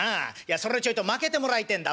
そらちょいとまけてもらいてえんだ」。